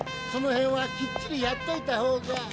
その辺はきっちりやっといたほうが。